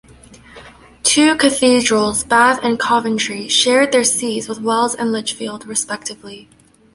Two cathedrals, Bath and Coventry, shared their sees with Wells and Lichfield, respectively.